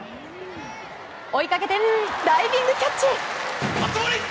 追いかけてダイビングキャッチ！